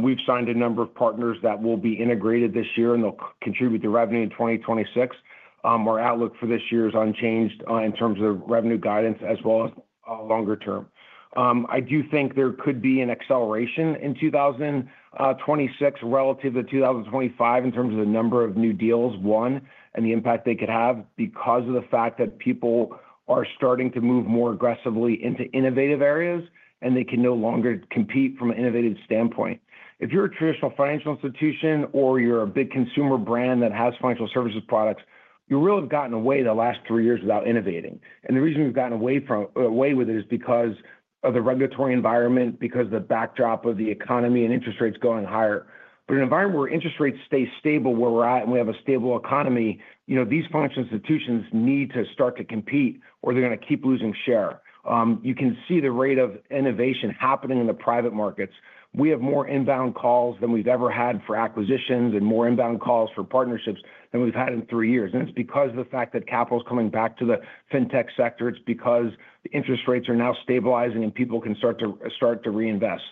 We have signed a number of partners that will be integrated this year, and they will contribute to revenue in 2026. Our outlook for this year is unchanged in terms of revenue guidance as well as longer term. I do think there could be an acceleration in 2026 relative to 2025 in terms of the number of new deals won and the impact they could have because of the fact that people are starting to move more aggressively into innovative areas, and they can no longer compete from an innovative standpoint. If you're a traditional financial institution or you're a big consumer brand that has financial services products, you really have gotten away the last three years without innovating. The reason we've gotten away with it is because of the regulatory environment, because of the backdrop of the economy and interest rates going higher. In an environment where interest rates stay stable where we're at and we have a stable economy, these financial institutions need to start to compete or they're going to keep losing share. You can see the rate of innovation happening in the private markets. We have more inbound calls than we've ever had for acquisitions and more inbound calls for partnerships than we've had in three years. It's because of the fact that capital is coming back to the fintech sector. It's because interest rates are now stabilizing and people can start to reinvest.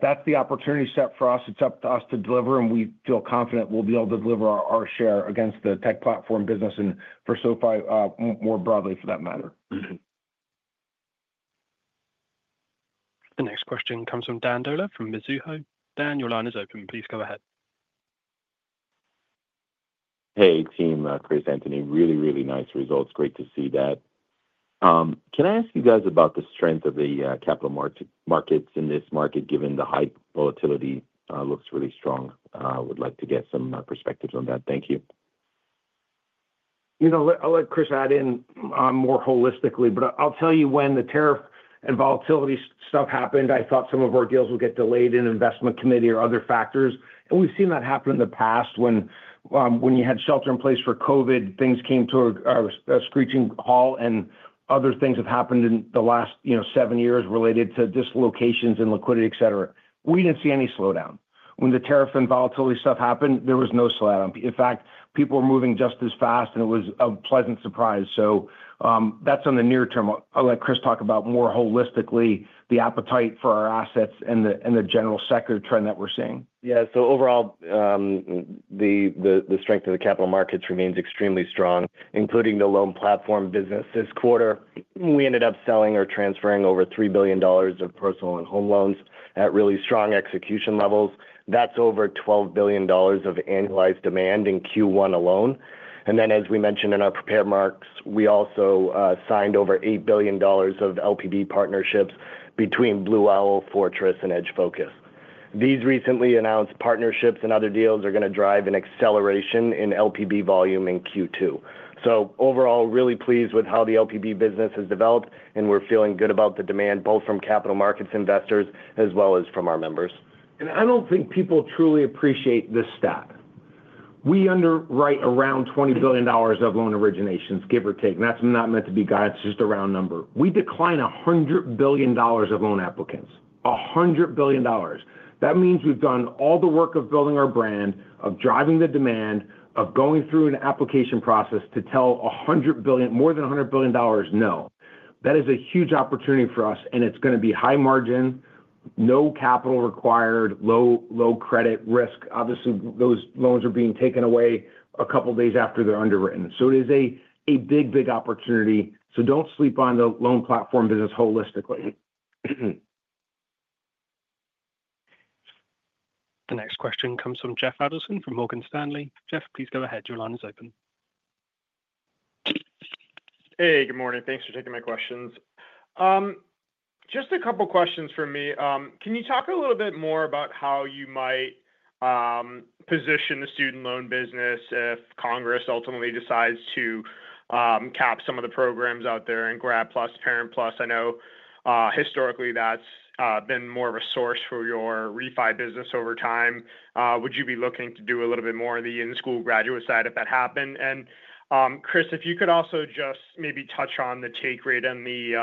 That's the opportunity set for us. It's up to us to deliver, and we feel confident we'll be able to deliver our share against the Tech Platform business and for SoFi more broadly for that matter. The next question comes from Dan Dolev from Mizuho. Dan, your line is open. Please go ahead. Hey, team. Chris, Anthony, really, really nice results. Great to see that. Can I ask you guys about the strength of the capital markets in this market given the high volatility looks really strong? I would like to get some perspectives on that. Thank you. I'll let Chris add in more holistically, but I'll tell you when the tariff and volatility stuff happened, I thought some of our deals would get delayed in Investment Committee or other factors. We have seen that happen in the past when you had shelter in place for COVID, things came to a screeching halt and other things have happened in the last seven years related to dislocations and liquidity, etc. We did not see any slowdown. When the tariff and volatility stuff happened, there was no slowdown. In fact, people were moving just as fast, and it was a pleasant surprise. That is on the near term. I will let Chris talk about more holistically the appetite for our assets and the general sector trend that we are seeing. Yeah. Overall, the strength of the capital markets remains extremely strong, including the Loan Platform Business. This quarter, we ended up selling or transferring over $3 billion of personal and home loans at really strong execution levels. That is over $12 billion of annualized demand in Q1 alone. As we mentioned in our prepared remarks, we also signed over $8 billion of LPB partnerships between Blue Owl, Fortress, and Edge Focus. These recently announced partnerships and other deals are going to drive an acceleration in LPB volume in Q2. Overall, really pleased with how the LPB business has developed, and we're feeling good about the demand both from capital markets investors as well as from our members. I do not think people truly appreciate this stat. We underwrite around $20 billion of loan originations, give or take. That is not meant to be guidance, just a round number. We decline $100 billion of loan applicants. $100 billion. That means we have done all the work of building our brand, of driving the demand, of going through an application process to tell more than $100 billion, no. That is a huge opportunity for us, and it's going to be high margin, no capital required, low credit risk. Obviously, those loans are being taken away a couple of days after they're underwritten. It is a big, big opportunity. Do not sleep on the Loan Platform Business holistically. The next question comes from Jeff Adelson from Morgan Stanley. Jeff, please go ahead. Your line is open. Hey, good morning. Thanks for taking my questions. Just a couple of questions for me. Can you talk a little bit more about how you might position the student loan business if Congress ultimately decides to cap some of the programs out there in Grad PLUS, Parent PLUS? I know historically that's been more of a source for your refi business over time. Would you be looking to do a little bit more on the in-school graduate side if that happened? Chris, if you could also just maybe touch on the take rate and the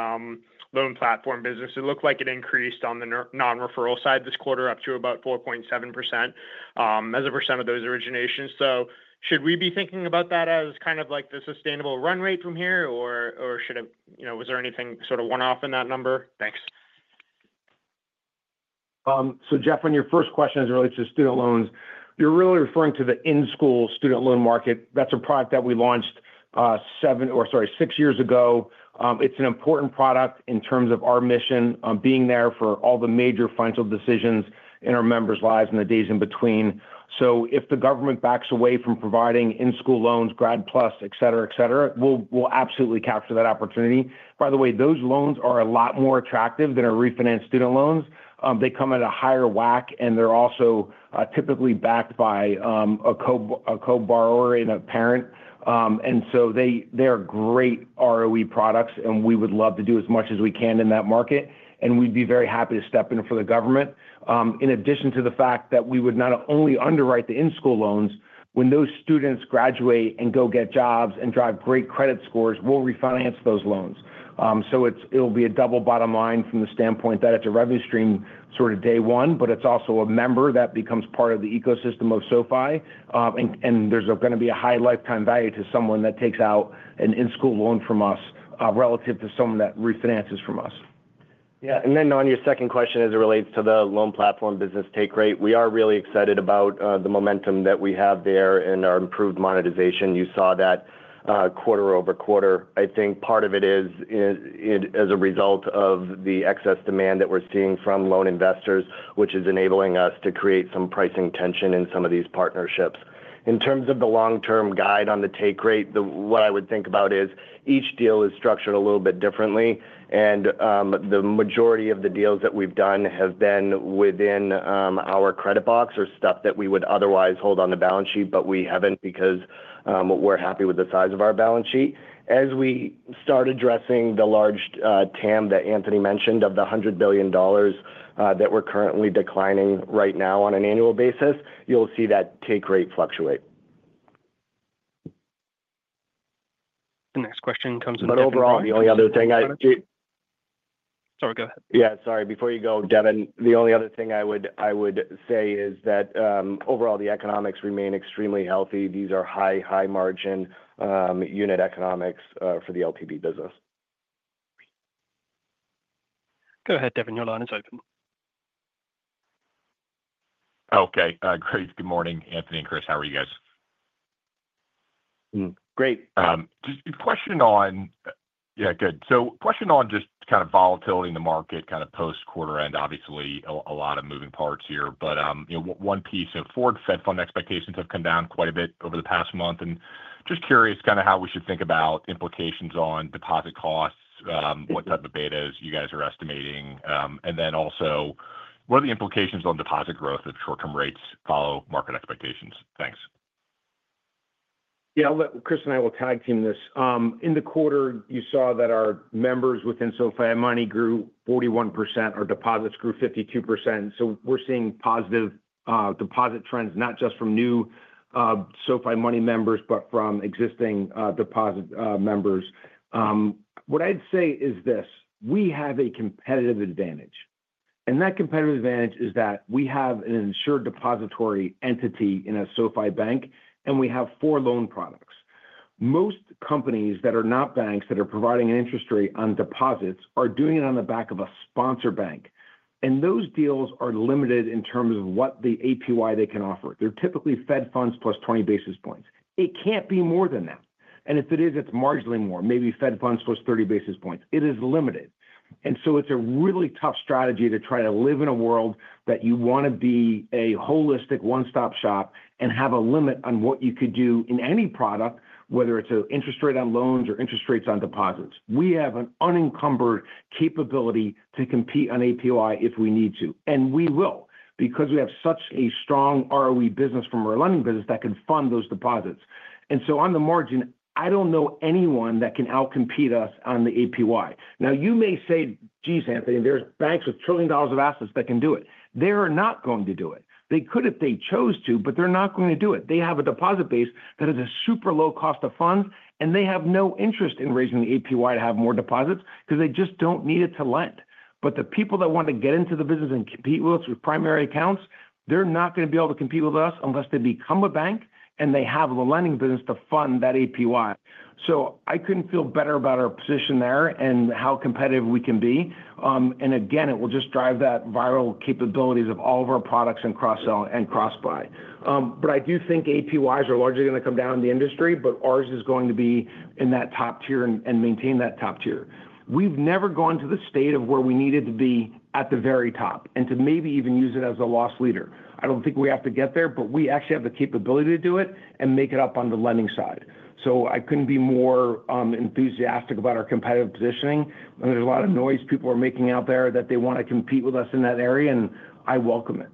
Loan Platform Business. It looked like it increased on the non-referral side this quarter up to about 4.7% as a percent of those originations. Should we be thinking about that as kind of like the sustainable run rate from here, or was there anything sort of one-off in that number? Thanks. Jeff, on your first question as it relates to student loans, you're really referring to the in-school student loan market. That's a product that we launched seven or, sorry, six years ago. It's an important product in terms of our mission being there for all the major financial decisions in our members' lives and the days in between. If the government backs away from providing in-school loans, Grad PLUS, etc., etc., we'll absolutely capture that opportunity. By the way, those loans are a lot more attractive than our refinanced student loans. They come at a higher WAC, and they're also typically backed by a co-borrower and a parent. They are great ROE products, and we would love to do as much as we can in that market. We would be very happy to step in for the government. In addition to the fact that we would not only underwrite the in-school loans, when those students graduate and go get jobs and drive great credit scores, we'll refinance those loans. It'll be a double bottom line from the standpoint that it's a revenue stream sort of day one, but it's also a member that becomes part of the ecosystem of SoFi. There is going to be a high lifetime value to someone that takes out an in-school loan from us relative to someone that refinances from us. Yeah. On your second question as it relates to the Loan Platform Business take rate, we are really excited about the momentum that we have there and our improved monetization. You saw that quarter-over-quarter. I think part of it is as a result of the excess demand that we are seeing from loan investors, which is enabling us to create some pricing tension in some of these partnerships. In terms of the long-term guide on the take rate, what I would think about is each deal is structured a little bit differently. The majority of the deals that we've done have been within our credit box or stuff that we would otherwise hold on the balance sheet, but we haven't because we're happy with the size of our balance sheet. As we start addressing the large TAM that Anthony mentioned of the $100 billion that we're currently declining right now on an annual basis, you'll see that take rate fluctuate. The next question comes from. Overall, the only other thing. Sorry, go ahead. Yeah, sorry. Before you go, Devin, the only other thing I would say is that overall, the economics remain extremely healthy. These are high, high-margin unit economics for the LPB business. Go ahead, Devin. Your line is open. Okay. Great. Good morning, Anthony and Chris. How are you guys? Great. Just a question on—yeah, good. Question on just kind of volatility in the market kind of post-quarter end. Obviously, a lot of moving parts here, but one piece, forward Fed Funds expectations have come down quite a bit over the past month. Just curious kind of how we should think about implications on deposit costs, what type of betas you guys are estimating, and then also what are the implications on deposit growth if short-term rates follow market expectations? Thanks. Yeah. Chris and I will tag team this. In the quarter, you saw that our members within SoFi Money grew 41%. Our deposits grew 52%. We are seeing positive deposit trends, not just from new SoFi Money members, but from existing deposit members. What I'd say is this: we have a competitive advantage. That competitive advantage is that we have an insured depository entity in a SoFi Bank, and we have four loan products. Most companies that are not banks that are providing an interest rate on deposits are doing it on the back of a sponsor bank. Those deals are limited in terms of what the APY they can offer. They're typically Fed Funds plus 20 basis points. It can't be more than that. If it is, it's marginally more, maybe Fed Funds plus 30 basis points. It is limited. It's a really tough strategy to try to live in a world that you want to be a holistic one-stop shop and have a limit on what you could do in any product, whether it's an interest rate on loans or interest rates on deposits. We have an unencumbered capability to compete on APY if we need to. We will because we have such a strong ROE business from our lending business that can fund those deposits. On the margin, I do not know anyone that can outcompete us on the APY. Now, you may say, "Geez, Anthony, there are banks with trillion dollars of assets that can do it." They are not going to do it. They could if they chose to, but they are not going to do it. They have a deposit base that is a super low cost of funds, and they have no interest in raising the APY to have more deposits because they just do not need it to lend. The people that want to get into the business and compete with us with primary accounts, they're not going to be able to compete with us unless they become a bank and they have the lending business to fund that APY. I couldn't feel better about our position there and how competitive we can be. Again, it will just drive that viral capabilities of all of our products and cross-sell and cross-buy. I do think APYs are largely going to come down in the industry, but ours is going to be in that top tier and maintain that top tier. We've never gone to the state of where we needed to be at the very top and to maybe even use it as a loss leader. I don't think we have to get there, but we actually have the capability to do it and make it up on the lending side. I couldn't be more enthusiastic about our competitive positioning. There's a lot of noise people are making out there that they want to compete with us in that area, and I welcome it.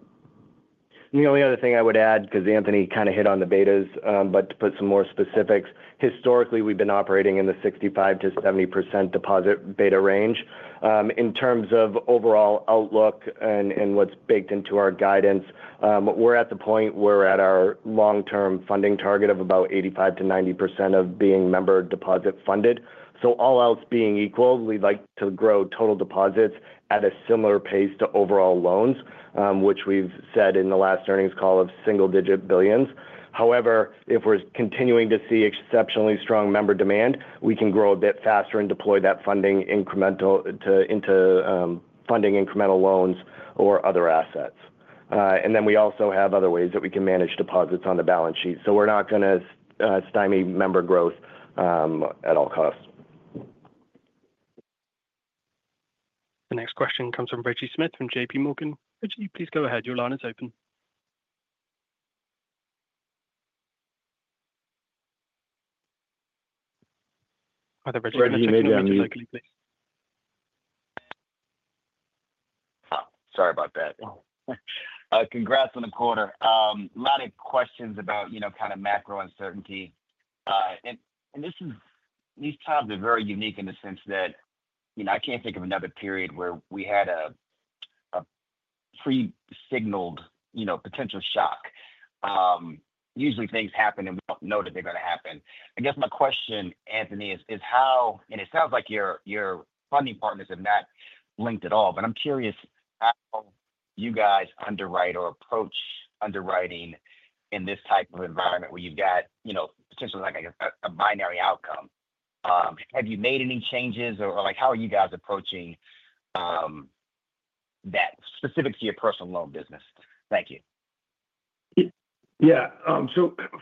The only other thing I would add, because Anthony kind of hit on the betas, but to put some more specifics, historically, we've been operating in the 65%-70% deposit beta range. In terms of overall outlook and what's baked into our guidance, we're at the point where we're at our long-term funding target of about 85%-90% of being member-deposit funded. All else being equal, we'd like to grow total deposits at a similar pace to overall loans, which we've said in the last earnings call of single-digit billions. However, if we're continuing to see exceptionally strong member demand, we can grow a bit faster and deploy that funding into funding incremental loans or other assets. We also have other ways that we can manage deposits on the balance sheet. We're not going to stymie member growth at all costs. The next question comes from Reggie Smith from JPMorgan. Reggie, please go ahead. Your line is open. Sorry about that. Congrats on the quarter. A lot of questions about kind of macro uncertainty. These times are very unique in the sense that I can't think of another period where we had a pre-signaled potential shock. Usually, things happen, and we don't know that they're going to happen. I guess my question, Anthony, is how—and it sounds like your funding partners have not linked at all—but I'm curious how you guys underwrite or approach underwriting in this type of environment where you've got potentially a binary outcome. Have you made any changes, or how are you guys approaching that specific to your personal loan business? Thank you. Yeah.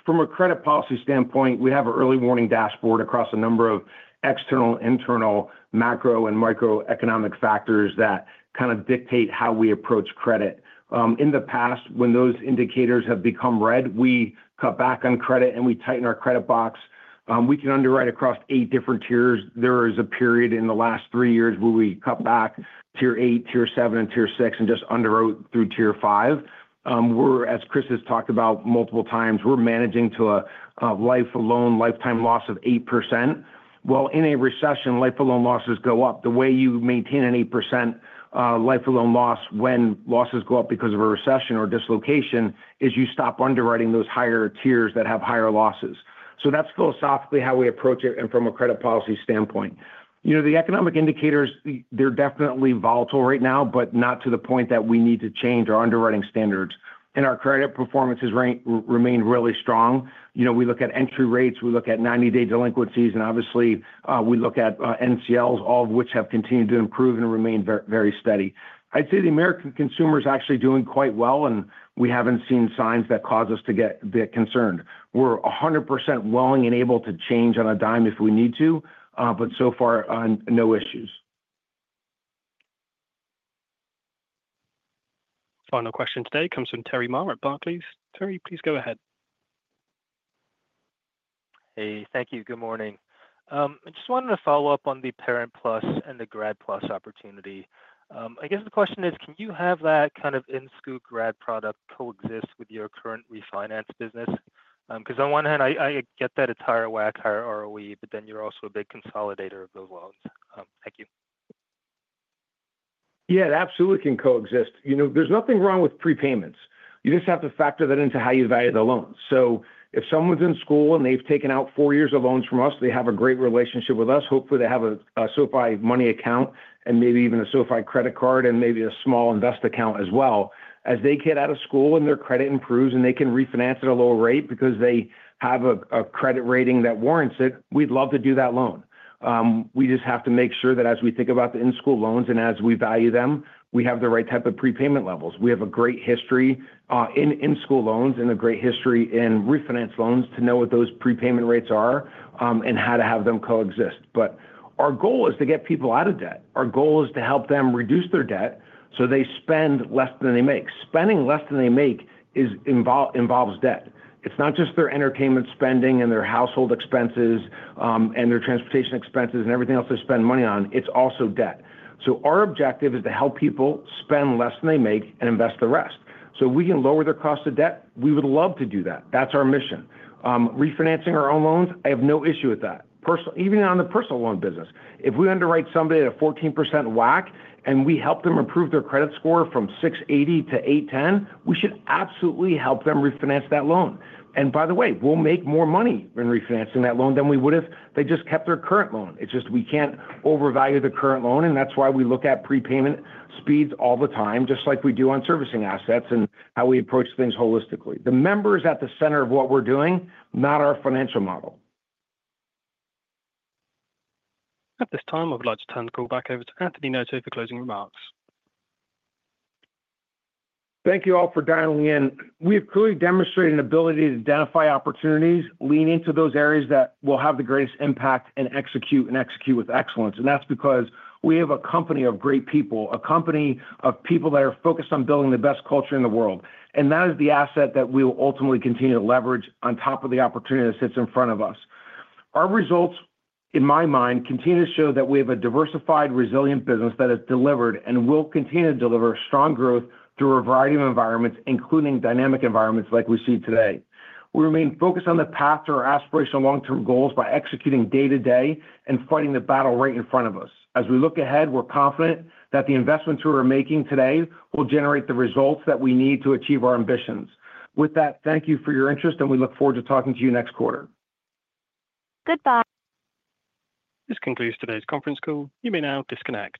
From a credit policy standpoint, we have an early warning dashboard across a number of external, internal, macro, and microeconomic factors that kind of dictate how we approach credit. In the past, when those indicators have become red, we cut back on credit, and we tighten our credit box. We can underwrite across eight different tiers. There is a period in the last three years where we cut back tier eight, tier seven, and tier six, and just underwrote through tier five. As Chris has talked about multiple times, we're managing to a life-of-loan lifetime loss of 8%. In a recession, life-of-loan losses go up. The way you maintain an 8% life-of-loan loss when losses go up because of a recession or dislocation is you stop underwriting those higher tiers that have higher losses. That is philosophically how we approach it from a credit policy standpoint. The economic indicators, they're definitely volatile right now, but not to the point that we need to change our underwriting standards. Our credit performance has remained really strong. We look at entry rates, we look at 90-day delinquencies, and obviously, we look at NCLs, all of which have continued to improve and remain very steady. I'd say the American consumer is actually doing quite well, and we haven't seen signs that cause us to get concerned. We're 100% willing and able to change on a dime if we need to, but so far, no issues. Final question today comes from Terry Ma at Barclays. Terry, please go ahead. Hey, thank you. Good morning. I just wanted to follow up on the Parent PLUS and the Grad PLUS opportunity. I guess the question is, can you have that kind of in-school grad product coexist with your current refinance business? Because on one hand, I get that it's higher WAC, higher ROE, but then you're also a big consolidator of those loans. Thank you. Yeah, it absolutely can coexist. There's nothing wrong with prepayments. You just have to factor that into how you value the loans. If someone's in school and they've taken out four years of loans from us, they have a great relationship with us. Hopefully, they have a SoFi Money account and maybe even a SoFi Credit Card and maybe a small Invest account as well. As they get out of school and their credit improves and they can refinance at a lower rate because they have a credit rating that warrants it, we'd love to do that loan. We just have to make sure that as we think about the in-school loans and as we value them, we have the right type of prepayment levels. We have a great history in in-school loans and a great history in refinance loans to know what those prepayment rates are and how to have them coexist. Our goal is to get people out of debt. Our goal is to help them reduce their debt so they spend less than they make. Spending less than they make involves debt. It's not just their entertainment spending and their household expenses and their transportation expenses and everything else they spend money on. It's also debt. Our objective is to help people spend less than they make and invest the rest. If we can lower their cost of debt, we would love to do that. That's our mission. Refinancing our own loans, I have no issue with that. Even on the personal loan business, if we underwrite somebody at a 14% WAC and we help them improve their credit score from 680 to 810, we should absolutely help them refinance that loan. By the way, we'll make more money in refinancing that loan than we would if they just kept their current loan. It's just we can't overvalue the current loan, and that's why we look at prepayment speeds all the time, just like we do on servicing assets and how we approach things holistically. The member is at the center of what we're doing, not our financial model. At this time, I would like to turn the call back over to Anthony Noto for closing remarks. Thank you all for dialing in. We've clearly demonstrated an ability to identify opportunities, lean into those areas that will have the greatest impact, and execute and execute with excellence. That is because we have a company of great people, a company of people that are focused on building the best culture in the world. That is the asset that we will ultimately continue to leverage on top of the opportunity that sits in front of us. Our results, in my mind, continue to show that we have a diversified, resilient business that has delivered and will continue to deliver strong growth through a variety of environments, including dynamic environments like we see today. We remain focused on the path to our aspirational long-term goals by executing day-to-day and fighting the battle right in front of us. As we look ahead, we're confident that the investments we're making today will generate the results that we need to achieve our ambitions. With that, thank you for your interest, and we look forward to talking to you next quarter. Goodbye. This concludes today's conference call. You may now disconnect.